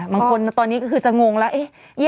บางคนตอนนี้คือจะงงแล้วเอ๊ะ